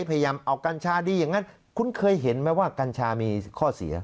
พยายามเอากัญชาดีอย่างนั้นคุณเคยเห็นไหมว่ากัญชามีข้อเสีย